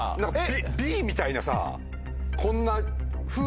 Ｂみたいなさこんな。